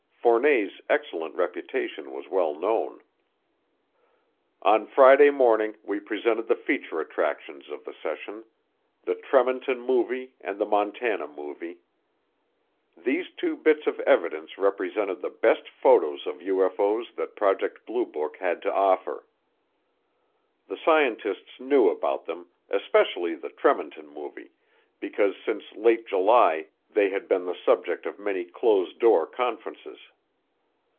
Fournet's excellent reputation was well known. On Friday morning we presented the feature attractions of the session, the Tremonton Movie and the Montana Movie. These two bits of evidence represented the best photos of UFO's that Project Blue Book had to offer. The scientists knew about them, especially the Tremonton Movie, because since late July they had been the subject of many closed door conferences.